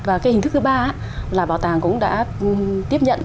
và cái hình thức thứ ba là bảo tàng cũng đã tiếp nhận